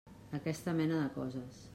Aquesta mena de coses.